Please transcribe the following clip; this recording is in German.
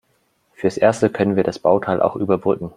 Fürs Erste können wir das Bauteil auch überbrücken.